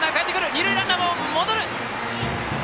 二塁ランナーも戻る！